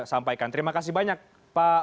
sampaikan terima kasih banyak pak